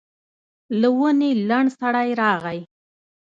له ونې لنډ سړی راغی.